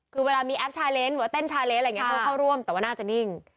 คือเวลามีแอปชาเลนส์หรือว่าเต้นชาเลนสอะไรอย่างนี้เขาเข้าร่วมแต่ว่าน่าจะนิ่ง